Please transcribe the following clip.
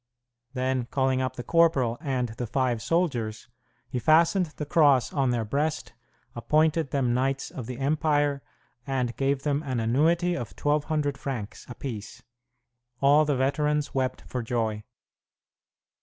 Then, calling up the corporal and the five soldiers, he fastened the Cross on their breast, appointed them knights of the empire, and gave them an annuity of 1,200 francs apiece. All the veterans wept for joy.